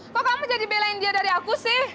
kok kamu jadi belain dia dari aku sih